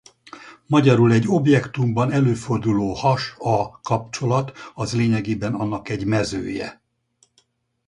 Magyarul egy objektumban előforduló has-a kapcsolat az lényegében annak egy mezője.